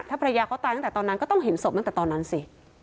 ถ้าภรรยาเขาตายตั้งแต่ตอนนั้นก็ต้องเห็นศพตั้งแต่ตอนนั้นสิ